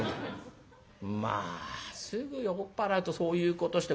「まあすぐ酔っ払うとそういうことして。